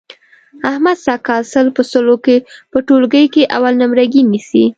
احمد سږ کال سل په سلو کې په ټولګي کې اول نمرګي نیسي.